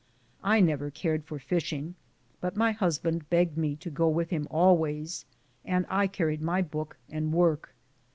I never cared for fishing, but my husband begged me to go with him always, and carried my book and work.